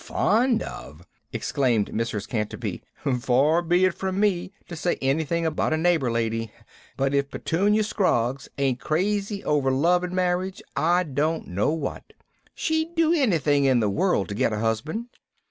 "Fond of!" exclaimed Mrs. Canterby. "Far be it from me to say anything about a neighbor lady, but if Petunia Scroggs ain't crazy over love and marriage I don't know what. She'd do anything in the world to get a husband.